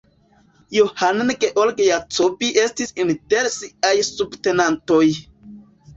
Johann Georg Jacobi estis inter siaj subtenantoj.